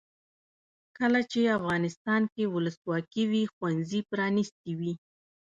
کله چې افغانستان کې ولسواکي وي ښوونځي پرانیستي وي.